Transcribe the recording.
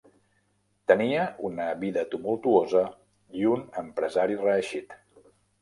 Tenia una vida tumultuosa i un empresari reeixit.